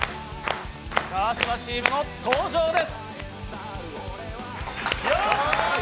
川島チームの登場です！